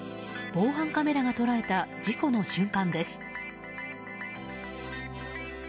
防犯カメラが捉えた事故の瞬間です。